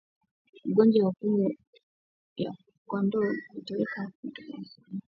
Ugonjwa wa pumu ya kondoo hutokea katika misimu yote ya mwaka